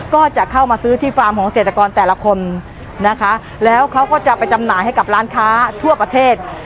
ก็จะเข้ามาซื้อที่ฟาร์มของเศรษฐกรแต่ละคนนะคะแล้วเขาก็จะไปจำหน่ายให้กับร้านค้าทั่วประเทศ